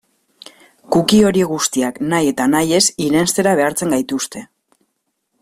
Cookie horiek guztiak nahi eta nahi ez irenstera behartzen gaituzte.